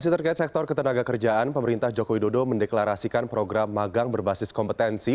terkait sektor ketenaga kerjaan pemerintah joko widodo mendeklarasikan program magang berbasis kompetensi